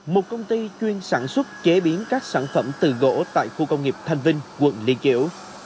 một công ty chuyên sản xuất chế biến các sản phẩm từ gỗ tại khu công nghiệp thanh vinh quận liên kiểu